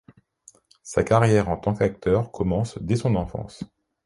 Sa carrière en tant qu'acteur commence dès son enfance.